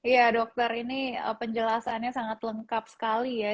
ya dokter ini penjelasannya sangat lengkap sekali ya